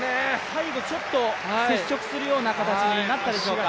最後、ちょっと接触するような形になったでしょうか。